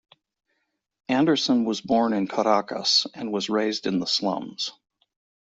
Anderson was born in Caracas and was raised in the slums.